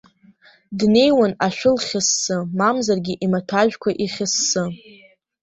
Днеиуан ашәы лхьыссы, мамзаргьы имаҭәажәқәа ихьыссы.